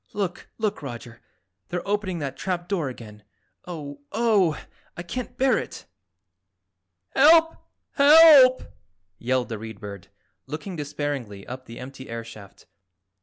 Look, look, Roger, they're opening that trap door again. Oh, Oh! I can't bear it!" "Help! Help!" yelled the Read Bird, looking despairingly up the empty air shaft.